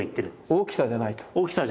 大きさじゃないと。